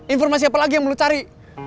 informasi apa lagi yang lu cari